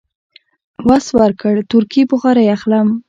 وس ورکړ، تورکي بخارۍ اخلم.